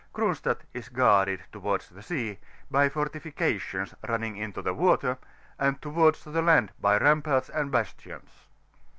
Cronstadt is guarded, towards the sea, by fortifications running into the water, and towards the land by ramparts and bastions.